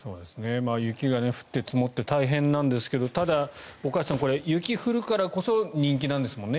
雪が降って積もって大変なんですがただ、岡安さん雪が降るからこそ人気なんですもんね